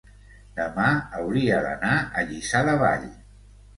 demà hauria d'anar a Lliçà de Vall.